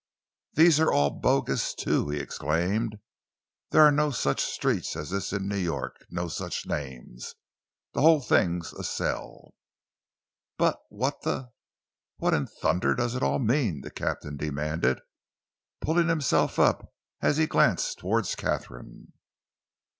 "These are all bogus, too!" he exclaimed. "There are no such streets as this in New York no such names. The whole thing's a sell!" "But what the what in thunder does it all mean?" the captain demanded, pulling himself up as he glanced towards Katharine.